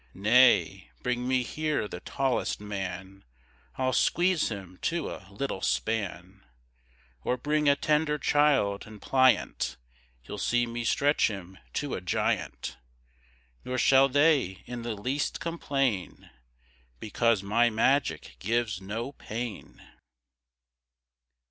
Nay, bring me here the tallest man, I'll squeeze him to a little span; Or bring a tender child, and pliant, You'll see me stretch him to a giant: Nor shall they in the least complain, Because my magic gives no pain.